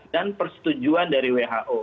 dan persetujuan dari who